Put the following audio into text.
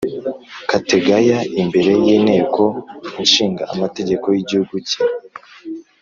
kategaya, imbere y'inteko ishinga amategeko y'igihugu cye;